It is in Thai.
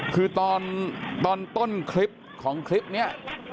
คือตอนต้นคลิปของคลิปนี้